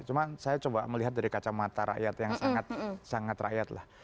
cuma saya coba melihat dari kacamata rakyat yang sangat rakyat lah